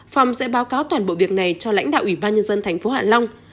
phòng sẽ báo cáo toàn bộ việc này cho lãnh đạo ủy ban nhân dân thành phố hạ long